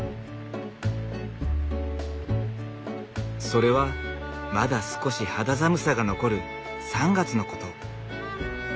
それはまだ少し肌寒さが残る３月のこと。